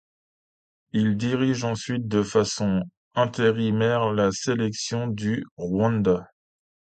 Il dirige ensuite de façon intérimaire la sélection du Rwanda.